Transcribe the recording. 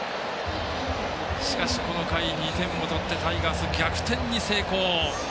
しかし、この回２点を取ってタイガース逆転に成功。